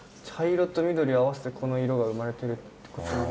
茶色と緑合わせてこの色が生まれてるってこと。